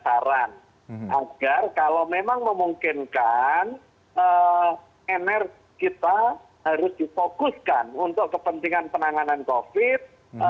agar kalau memang memungkinkan energi kita harus difokuskan untuk kepentingan penanganan covid sembilan belas